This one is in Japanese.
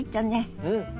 うん。